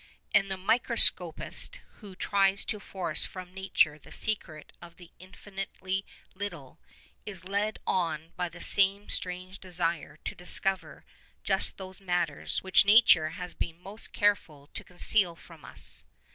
And the microscopist who tries to force from nature the secret of the infinitely little, is led on by the same strange desire to discover just those matters which nature has been most careful to conceal from us.